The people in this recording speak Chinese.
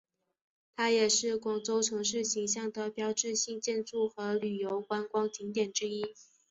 它也是广州城市形象的标志性建筑和旅游观光景点之一。